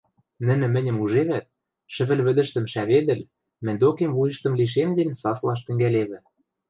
Нӹнӹ мӹньӹм ужевӓт, шӹвӹльвӹдӹштӹм шӓведӹл, мӹнь докем вуйыштым лишемден, саслаш тӹнгӓлевӹ: